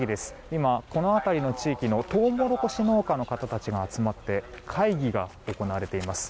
今、この辺りの地域のトウモロコシ農家の方たちが集まって会議が行われています。